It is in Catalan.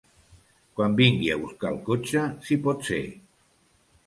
Quan vingui a buscar el cotxe, si pot ser.